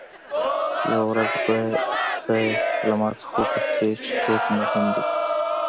یوه ورځ به ته له مانه وپوښتې چې څوک مهم دی.